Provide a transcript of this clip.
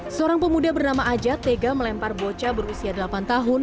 seorang pemuda bernama ajat tega melempar bocah berusia delapan tahun